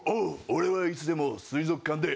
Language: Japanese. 俺はいつでも水族館でＮＯ．１！